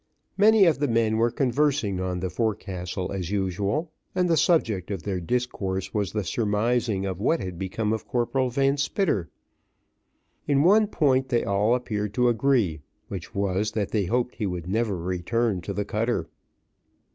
Many of the men were conversing on the forecastle as usual, and the subject of their discourse was the surmising what had become of Corporal Van Spitter. In one point they all appeared to agree, which was, that they hoped he would never return to the cutter.